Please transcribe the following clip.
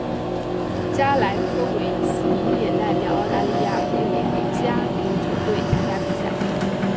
加莱科维奇也代表澳大利亚国家足球队参加比赛。